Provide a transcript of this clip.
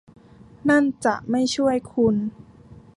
นั่นจะไม่ช่วยคุณ